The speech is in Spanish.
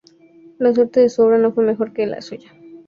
La suerte de su obra no fue mejor que la suya.